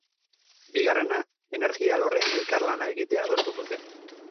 Bigarrena, energia alorrean elkarlana egitea adostu dute.